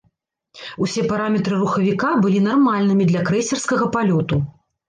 Усе параметры рухавіка былі нармальнымі для крэйсерскага палёту.